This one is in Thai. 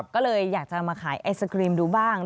ก็เลยอยากจะมาขายไอศครีมดูบ้าง